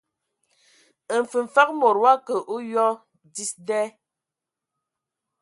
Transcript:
Mfəfəg mod wa kə a oyoa dis da.